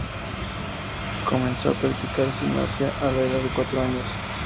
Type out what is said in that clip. Comenzó a practicar gimnasia a la edad de cuatro años.